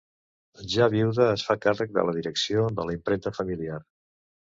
Ja viuda, es fa càrrec de la direcció de la impremta familiar.